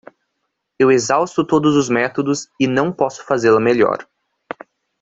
Eu exausto todos os métodos e não posso fazê-la melhor.